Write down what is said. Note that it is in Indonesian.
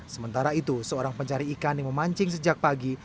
sementara itu seorang pencari ikan yang memancing sejak pagi